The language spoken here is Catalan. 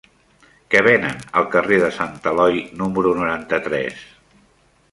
Què venen al carrer de Sant Eloi número noranta-tres?